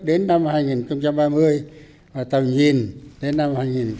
đến năm hai nghìn ba mươi và tầm nhìn đến năm hai nghìn bốn mươi năm